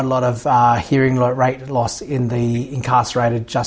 dan kita masih mendapatkan banyak kekurangan rati dengar